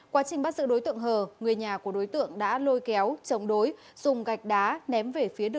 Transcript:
quá trình bắt giữ đối tượng hờ người nhà của đối tượng đã lôi kéo chống đối dùng gạch đá ném về phía đường